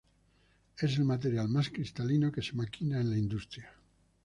Es el material más cristalino que se maquina en la industria.